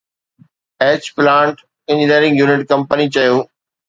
H plant engineering unit company چيو